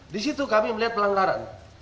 di situ kami melihat pelanggaran